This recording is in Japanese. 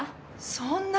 そんな。